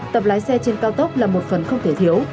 tập lái xe trên cao tốc là một phần không thể thiếu